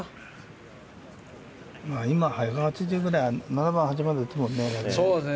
今は１８０くらい７番、８番で打ってもね。